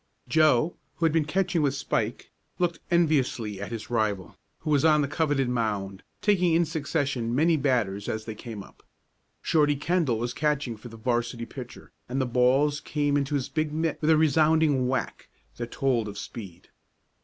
Joe, who had been catching with Spike, looked enviously at his rival, who was on the coveted mound, taking in succession many batters as they came up. Shorty Kendall was catching for the 'varsity pitcher, and the balls came into his big mitt with a resounding whack that told of speed.